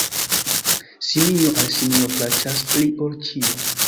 Simio al simio plaĉas pli ol ĉio.